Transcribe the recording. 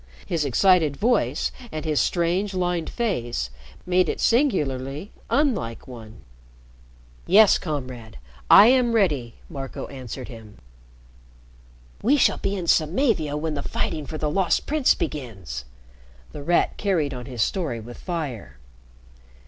His excited voice and his strange, lined face made it singularly unlike one. "Yes, Comrade, I am ready," Marco answered him. "We shall be in Samavia when the fighting for the Lost Prince begins." The Rat carried on his story with fire.